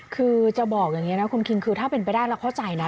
คือจะบอกอย่างนี้นะคุณคิงคือถ้าเป็นไปได้เราเข้าใจนะ